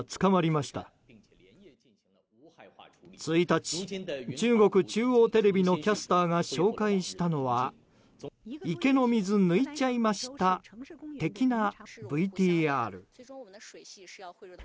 １日、中国中央テレビのキャスターが紹介したのは池の水抜いちゃいました的なＶＴＲ。